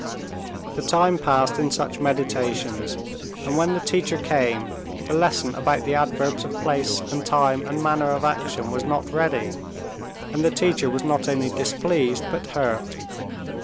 The time passed in such meditations, and when the teacher came, the lesson about the adverbs of place and time and manner of action was not ready, and the teacher was not only displeased, but hurt.